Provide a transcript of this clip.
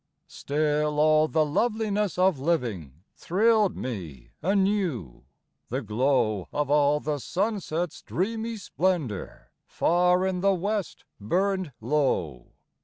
Still, all the loveliness of living Thrilled me anew ; the glow Of all the sunset's dreamy splendor. Far in the west burned low.